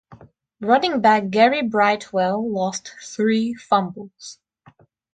Running back Gary Brightwell lost three fumbles.